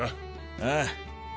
ああ。